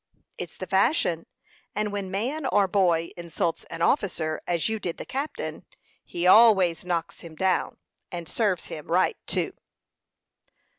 "It's the fashion; and when man or boy insults an officer as you did the captain, he always knocks him down; and serves him right too."